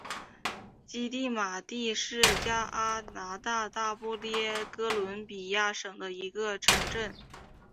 基蒂马特是加拿大不列颠哥伦比亚省的一个城镇。